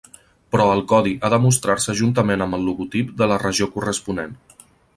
Però el codi ha de mostrar-se juntament amb el logotip de la regió corresponent.